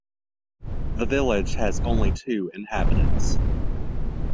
The village has only two inhabitants.